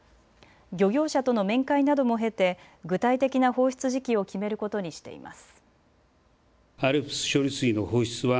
漁業者との面会なども経て具体的な放出時期を決めることにしています。